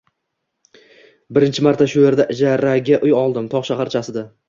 Birinchi marta shu erda ijaraga uy oldim, tog` shaharchasida